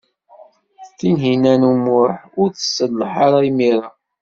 Tinhinan u Muḥ ur tselleḥ ara imir-a.